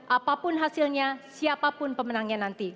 apapun hasilnya siapapun pemenangnya nanti